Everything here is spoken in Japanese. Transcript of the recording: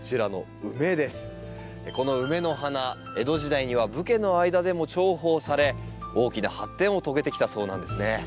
このウメの花江戸時代には武家の間でも重宝され大きな発展を遂げてきたそうなんですね。